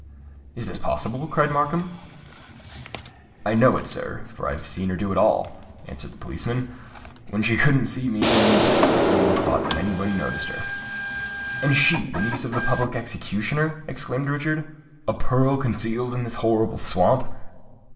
"Is this possible?" cried Markham. "I know it, sir—for I've seen her do it all," answered the policeman, "when she couldn't see me and little thought that any body noticed her." "And she the niece of the public executioner!" exclaimed Richard: "a pearl concealed in this horrible swamp!"